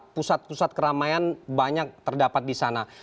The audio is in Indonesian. pusat pusat keramaian banyak terdapat di sana